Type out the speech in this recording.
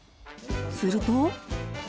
すると。